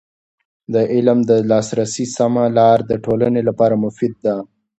د علم د لاسرسي سمه لاره د ټولنې لپاره مفید ده.